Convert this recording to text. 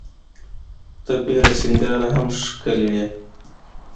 ته بې له سینګاره هم ښکلي یې.